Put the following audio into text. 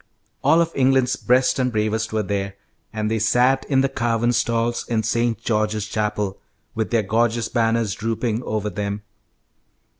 All of England's best and bravest were there, and they sat in the carven stalls in St. George's Chapel, with their gorgeous banners drooping over them.